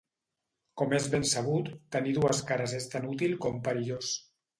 Com és ben sabut, tenir dues cares és tan útil com perillós.